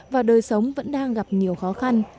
và đời sống vẫn đang gặp nhiều khó khăn